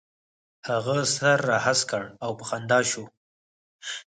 هغه سر را هسک کړ او په خندا شو.